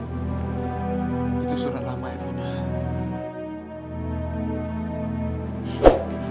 itu surat lama evita